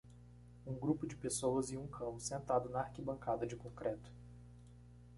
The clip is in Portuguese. Um grupo de pessoas e um cão sentado na arquibancada de concreto.